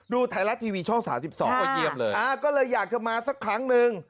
มุถายรัฐจีวีข้อสามสี่สองอ่าก็เลยอยากจะมาสักครั้งหนึ่ง